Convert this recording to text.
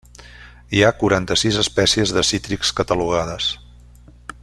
Hi ha quaranta-sis espècies de cítrics catalogades.